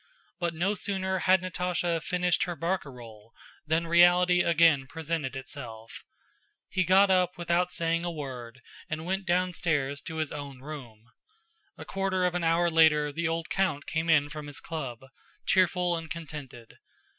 But no sooner had Natásha finished her barcarolle than reality again presented itself. He got up without saying a word and went downstairs to his own room. A quarter of an hour later the old count came in from his club, cheerful and contented.